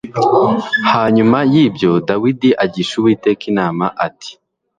Hanyuma y ibyo Dawidi agisha Uwiteka inama ati